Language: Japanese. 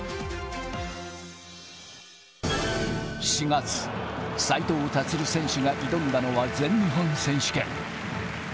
４月、斉藤立選手が挑んだのは全日本選手権。